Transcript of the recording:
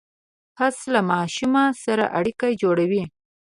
پسه له ماشوم سره اړیکه جوړوي.